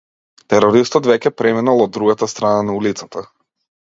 Терористот веќе преминал од другата страна на улицата.